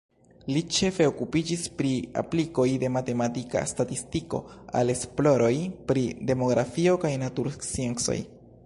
Li ĉefe okupiĝis pri aplikoj de matematika statistiko al esploroj pri demografio kaj natursciencoj.